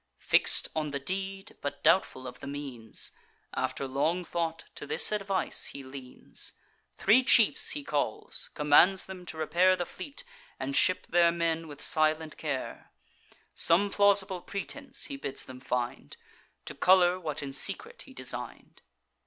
Fix'd on the deed, but doubtful of the means, After long thought, to this advice he leans: Three chiefs he calls, commands them to repair The fleet, and ship their men with silent care; Some plausible pretence he bids them find, To colour what in secret he design'd.